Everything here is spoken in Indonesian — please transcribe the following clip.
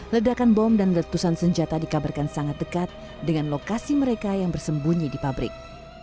ledakan bom dan letusan senjata dikabarkan sangat dekat dengan lokasi mereka yang bersembunyi di pabrik